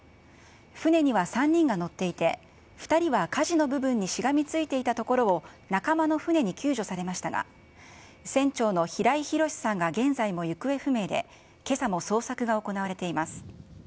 船には３人が乗っていて、２人はかじの部分にしがみついていたところを、仲間の船に救助されましたが、船長の平井博さんが現在も行方不明で、けさも捜索が行われています。